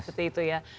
seperti itu ya